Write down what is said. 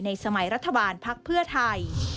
สมัยรัฐบาลภักดิ์เพื่อไทย